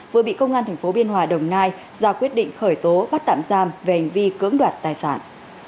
vừa bị công an tp biên hòa đồng nai ra quyết định khởi tố bắt tạm giam về hành vi cưỡng đoạt tài sản